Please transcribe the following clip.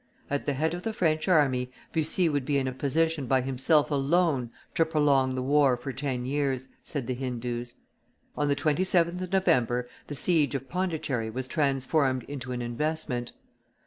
"At the head of the French army Bussy would be in a position by himself alone to prolong the war for ten years," said the Hindoos. On the 27th of November, the siege of Pondicherry was transformed into an investment.